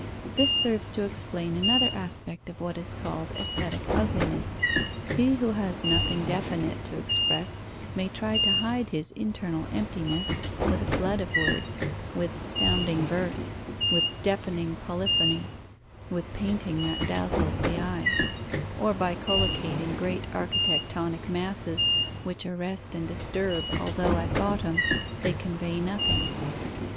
This serves to explain another aspect of what is called aesthetic ugliness. He who has nothing definite to express may try to hide his internal emptiness with a flood of words, with sounding verse, with deafening polyphony, with painting that dazzles the eye, or by collocating great architectonic masses, which arrest and disturb, although, at bottom, they convey nothing.